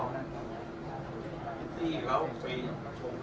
เป็นการตกลงกันระหว่างเขากับน้องน้ำอุ่น